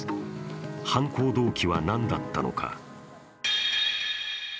犯行動機はなんだったのか。